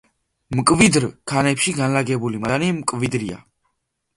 მკვიდრ ქანებში განლაგებული მადანი მკვიდრია.